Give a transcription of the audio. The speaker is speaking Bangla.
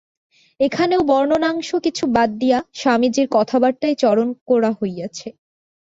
এখানেও বর্ণনাংশ কিছু বাদ দিয়া স্বামীজীর কথাবার্তাই চয়ন করা হইয়াছে।